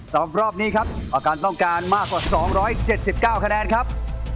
ต่อรอบนี้ครับประกันต้องการมากกว่าสองร้อยเจ็ดสิบเก้าคะแนนครับ